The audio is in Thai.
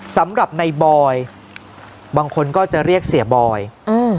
สำหรับในบอยบางคนก็จะเรียกเสียบอยอืม